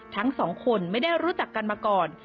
ทั้งสองคนไม่ได้รู้จักกันมาก่อน